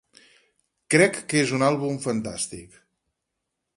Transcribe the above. Crec que és un àlbum fantàstic.